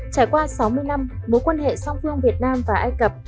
trải qua sáu mươi năm mối quan hệ song phương việt nam và ai cập